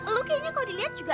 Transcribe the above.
lo kayaknya kok dilihat juga